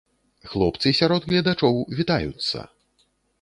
Хлопцы сярод гледачоў вітаюцца!